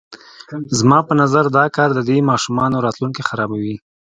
زما په نظر دا کار د دې ماشومانو راتلونکی خرابوي.